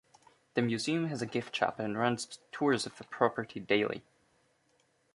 The museum has a gift shop and runs tours of the property daily.